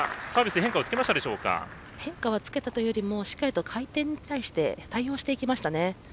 変化をつけたというよりもしっかりと回転に対して対応していきましたね。